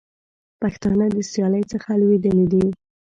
پښتانه د سیالۍ څخه لوېدلي دي.